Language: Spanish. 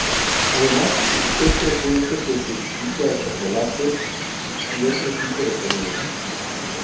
Además, es frecuente que se invite a chocolate y a otro tipo de comida.